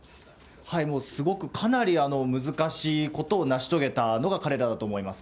もうすごく、かなり難しいことを成し遂げたのが彼らだと思います。